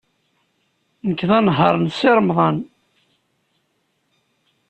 Nekk d anehhaṛ n Si Remḍan.